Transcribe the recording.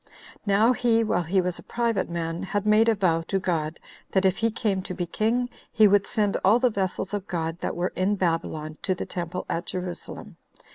Now he, while he was a private man, had made a vow to God, that if he came to be king, he would send all the vessels of God that were in Babylon to the temple at Jerusalem.